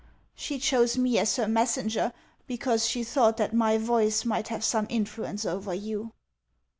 She chose me as her messenger because she thought that my voice might have some influence over you."